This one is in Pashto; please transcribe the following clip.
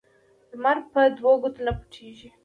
لمر په دوو ګوتو نه پټیږي